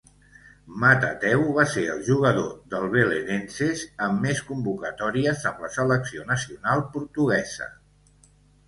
Matateu va ser el jugador del Belenenses amb més convocatòries amb la selecció nacional portuguesa.